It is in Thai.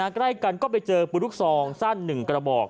ใกล้กันก็ไปเจอปืนลูกซองสั้น๑กระบอก